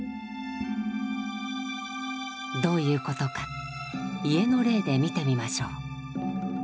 どういうことか家の例で見てみましょう。